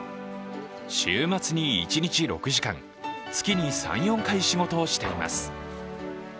週末に一日６時間、月に３４回仕事をしています。